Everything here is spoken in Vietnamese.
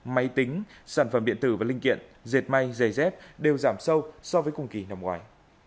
máy tính sản phẩm điện tử và linh kiện dệt may giày dép đều giảm sâu so với cùng kỳ năm ngoài